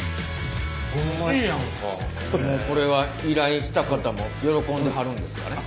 これは依頼した方も喜んではるんですかね？